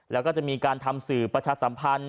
แล้วก็จะมีการทำสื่อประชาสัมพันธ์